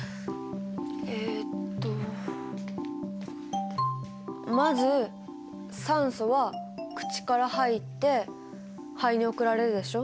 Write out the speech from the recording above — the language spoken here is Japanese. えっとまず酸素は口から入って肺に送られるでしょ。